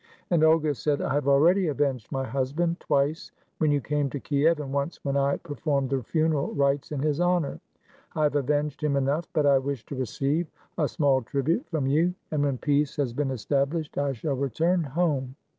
And Olga said, "I have already avenged my husband, twice when you came to Kiev, and once when I per formed the funeral rites in his honor. I have avenged him enough, but I wish to receive a small tribute from you, and when peace has been established I shall return home."